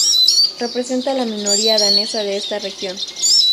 Representa a la minoría danesa de esta región.